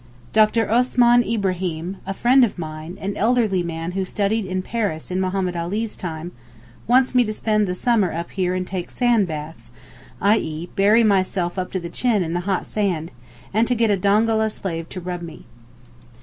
Dr. Osman Ibraheem (a friend of mine, an elderly man who studied in Paris in Mohammed Ali's time) wants me to spend the summer up here and take sand baths, i.e. bury myself up to the chin in the hot sand, and to get a Dongola slave to rub me.